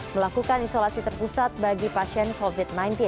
melakukan isolasi terpusat bagi pasien covid sembilan belas